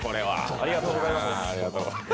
ありがとうございます。